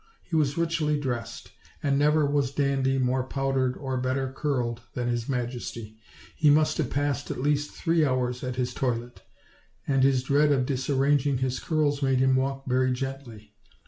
He was richly dressed, and never was dandy more powdered or better curled than his majesty. He must have passed at least three hours at his toilet; and his dread of disarranging his curls made him walk very gently.